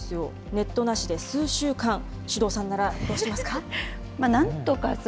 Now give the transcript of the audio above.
ネットなしで数週間、首藤さんならどうしますか？